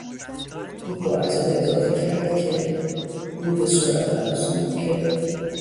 او با عجله اضافه کرد که...، او به سرعت افزود که...